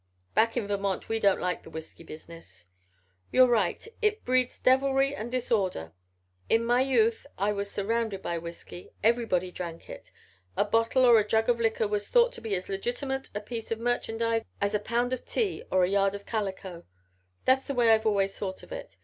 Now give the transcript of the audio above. "Back in Vermont we don't like the whisky business." "You're right, it breeds deviltry and disorder. In my youth I was surrounded by whisky. Everybody drank it. A bottle or a jug of liquor was thought to be as legitimate a piece of merchandise as a pound of tea or a yard of calico. That's the way I've always thought of it.